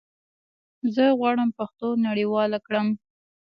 زه غواړم پښتو نړيواله کړم